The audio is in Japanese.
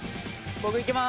僕いきます！